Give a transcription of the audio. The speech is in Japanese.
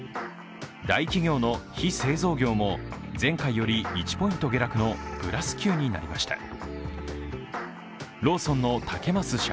大企業の非製造業も前回より１ポイント下落のプラス９になりました。